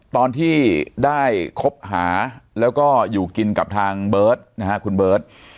ตอนที่ได้คบหาแล้วก็อยู่กินกับทางเบิร์ตนะฮะคุณเบิร์ต